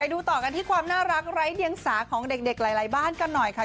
ดูต่อกันที่ความน่ารักไร้เดียงสาของเด็กหลายบ้านกันหน่อยค่ะ